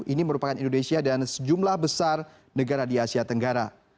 ini merupakan indonesia dan sejumlah besar negara di asia tenggara